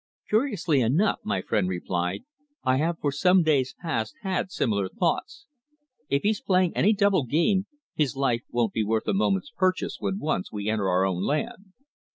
"Curiously enough," my friend replied, "I have for some days past had similar thoughts. If he's playing any double game his life won't be worth a moment's purchase when once we enter our own land."